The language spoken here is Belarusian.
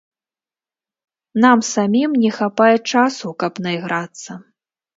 Нам самім не хапае часу, каб найграцца.